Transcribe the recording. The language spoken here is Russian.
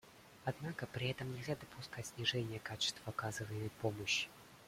Однако при этом нельзя допускать снижения качества оказываемой помощи.